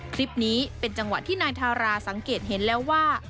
คลิปนี้เป็นจังหวะที่นายทาราสังเกตเห็นแล้วว่า